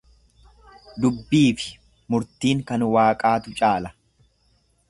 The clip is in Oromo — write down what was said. Dubbiifi murtiin kan waaqaatu caala.